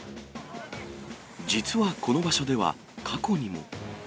実はこの場所では、過去にも。